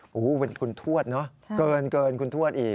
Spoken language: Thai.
โอ้โหเป็นคุณทวดเนอะเกินคุณทวดอีก